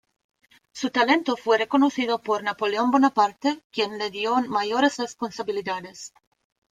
Su talento fue reconocido por Napoleón Bonaparte quien le dio mayores responsabilidades.